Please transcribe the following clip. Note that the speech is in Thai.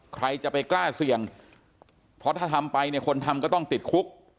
ใครจะไปกล้าเสี่ยงเพราะถ้าทำไปเนี่ยคนทำก็ต้องติดคุก